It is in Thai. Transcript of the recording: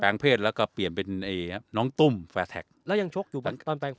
แปลงเพศแล้วก็เปลี่ยนเป็นไอ้น้องตุ้มแฟสแท็กแล้วยังชกอยู่ตอนแปลงเพศ